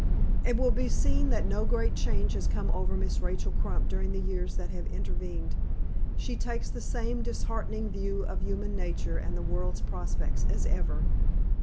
It will be seen that no great change has come over Miss Rachel Crump during the years that have intervened. She takes the same disheartening view of human nature and the world's prospects, as ever.